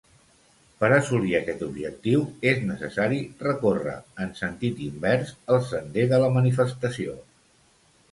Per assolir aquest objectiu és necessari recórrer, en sentit invers, el sender de la manifestació.